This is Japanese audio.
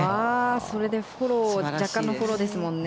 それで若干のフォローですもんね。